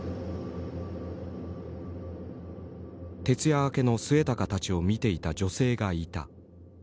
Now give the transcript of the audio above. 徹夜明けの末高たちを見ていた女性がいた。